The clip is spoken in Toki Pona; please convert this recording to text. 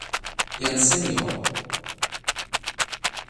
jan Seni o?